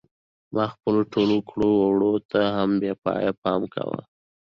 ما خپلو ټولو کړو وړو ته هم بې پایه پام کاوه.